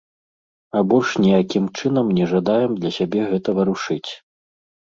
А больш ніякім чынам не жадаем для сябе гэта варушыць.